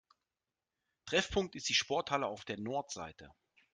Treffpunkt ist die Sporthalle auf der Nordseite.